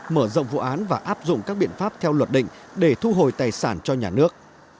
mở rộng vụ án và áp dụng các biện pháp theo luật định để thu hồi tài sản cho nhà nước